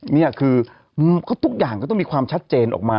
นี่คือทุกอย่างก็ต้องมีความชัดเจนออกมา